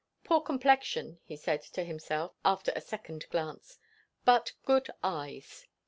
Poor complexion, he said to himself after a second glance, but good eyes.